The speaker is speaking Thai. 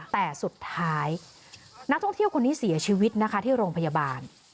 แต่สุดท้ายนักท่องเที่ยวคนนี้เสียชีวิตนะคะที่โรงพยาบาล